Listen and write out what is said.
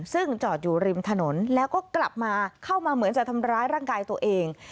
ซึ่งจอดอยู่ริมถนนแล้วก็กลับมาเข้ามาเหมือนจะทำร้ายร่างกายตัวเอง